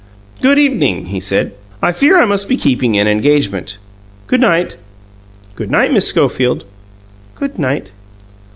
"Good evening," he said. "I fear I must be keeping an engagement. Good night. Good night, Miss Schofield." "Good night."